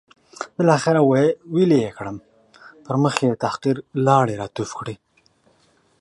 بالاخره ویلې یې کړم، پر مخ یې د تحقیر لاړې را توف کړې.